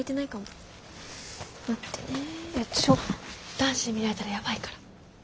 男子に見られたらやばいから。